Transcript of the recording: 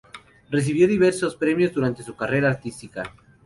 Recibió diversos premios durante su carrera artística.